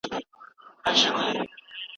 که غواړې ښه ولیکي نو مطالعه وکړه.